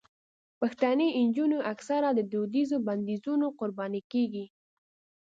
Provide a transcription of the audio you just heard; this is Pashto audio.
پښتنې نجونې اکثره د دودیزو بندیزونو قرباني کېږي.